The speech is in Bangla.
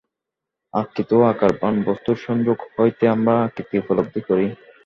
আকৃতি ও আকারবান বস্তুর সংযোগ হইতেই আমরা আকৃতি উপলব্ধি করি।